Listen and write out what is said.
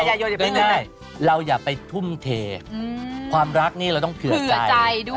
ไม่เป็นไรคือเราอย่าไปทุ่มเทความรักนี่เราต้องเผื่อใจ